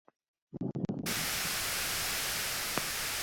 mwaka elfu moja mia tisa arobaini na sita